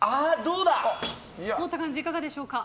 持った感じいかがでしょうか。